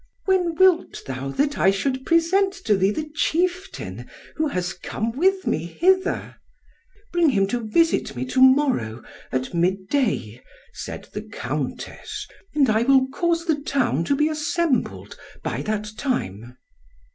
When wilt thou, that I should present to thee the chieftain who has come with me hither?" "Bring him here to visit me to morrow, at mid day," said the Countess, "and I will cause the town to be assembled by that time."